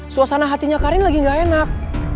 suasana hatinya karin lagi gak enak